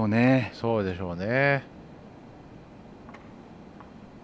そうでしょうね。